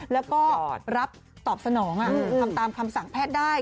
แล้วก็รับตอบสนองทำตามคำสั่งแพทย์ได้